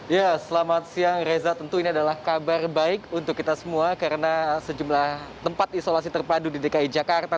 ya selamat siang reza tentu ini adalah kabar baik untuk kita semua karena sejumlah tempat isolasi terpadu di dki jakarta